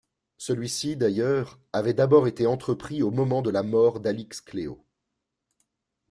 Celui-ci d'ailleurs avait d'abord été entrepris au moment de la mort d'Alix Cleo.